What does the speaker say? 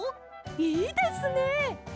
いいですね！